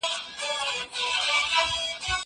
کېدای سي لوښي نم وي؟!